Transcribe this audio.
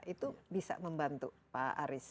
itu bisa membantu pak aris